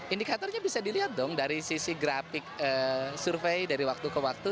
indikatornya bisa dilihat dong dari sisi grafik survei dari waktu ke waktu